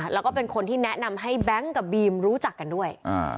แล้วก็เป็นคนที่แนะนำให้แบงค์กับบีมรู้จักกันด้วย